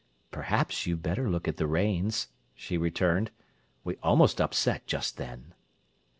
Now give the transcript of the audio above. "Perhaps you'd better look at the reins," she returned. "We almost upset just then."